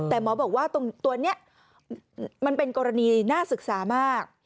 แต่หมอบอกว่าตัวนี้มันเป็นกรณีน่าศึกษามาก